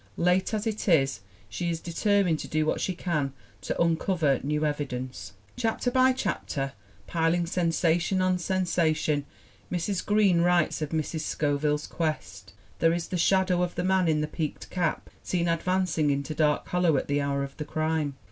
Late as it is, she is determined to do what she can to uncover new evidence. Chapter by chapter, piling sensation on sensation, Mrs. Green writes of Mrs. Scoville's quest. There is the shadow of the man in the peaked cap seen advanc ing into Dark Hollow at the hour of the crime.